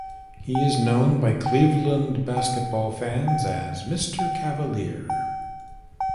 He is known by Cleveland basketball fans as "Mr. Cavalier".